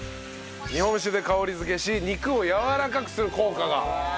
日本酒で香り付けし肉をやわらかくする効果があるそうです。